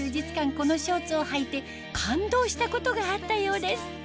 このショーツをはいて感動したことがあったようです